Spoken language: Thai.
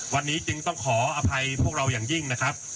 วันนี้จึงต้องขออภัยพวกเราอย่างยิ่งนะครับ